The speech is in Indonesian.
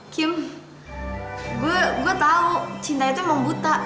kim gue tau cinta itu emang buta